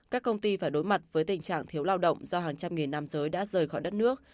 các công ty phải đối mặt với tình trạng thiếu lao động do hàng trăm nghìn nam giới đã rời khỏi đất nước